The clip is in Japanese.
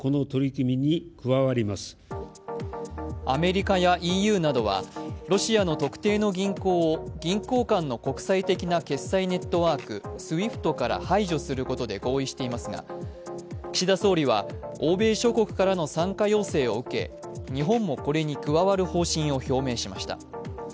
アメリカやＥＵなどはロシアの特定の銀行を銀行間の国際的な決済ネットワーク・ＳＷＩＦＴから排除することで合意していますが岸田総理は、欧米諸国からの参加要請を受け、日本もこれに加わる方針を表明しました。